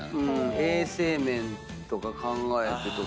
衛生面とか考えてとか？